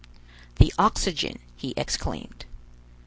"The oxygen!" he exclaimed.